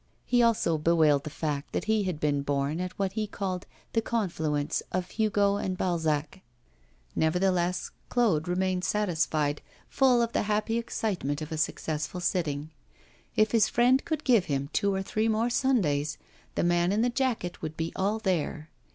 He also bewailed the fact that he had been born at what he called the confluence of Hugo and Balzac. Nevertheless, Claude remained satisfied, full of the happy excitement of a successful sitting. If his friend could give him two or three more Sundays the man in the jacket would be all there.